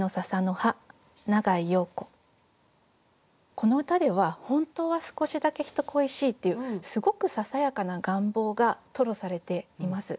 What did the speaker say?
この歌では「ほんたうはすこしだけひと恋しい」っていうすごくささやかな願望が吐露されています。